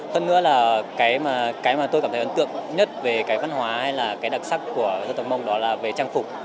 hơn nữa là cái mà cái mà tôi cảm thấy ấn tượng nhất về cái văn hóa hay là cái đặc sắc của dân tộc mông đó là về trang phục